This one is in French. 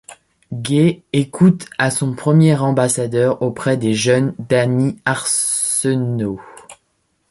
Gai Écoute a son premier ambassadeur auprès des jeunes, Dany Arsenault.